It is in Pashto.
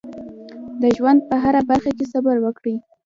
د ژوند په هره برخه کې صبر وکړئ.